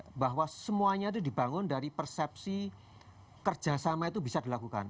kita bahwa semuanya itu dibangun dari persepsi kerjasama itu bisa dilakukan